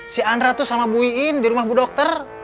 si andra tuh sama buiin di rumah bu dokter